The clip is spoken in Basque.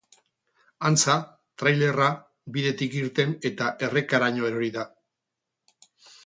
Antza, trailerra bidetik irten eta errekaraino erori da.